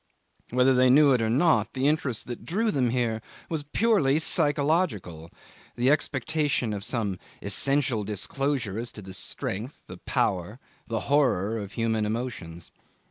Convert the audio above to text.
Whether they knew it or not, the interest that drew them here was purely psychological the expectation of some essential disclosure as to the strength, the power, the horror, of human emotions.